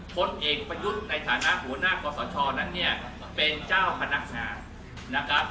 คนเอกพยุทธในฐานะหัวหน้ากษชนั้นเนี่ยเป็นเจ้าพนักงาน